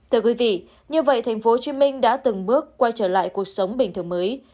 thưa quý vị như vậy tp hcm đã từng bước quay trở lại cuộc sống bình thường mới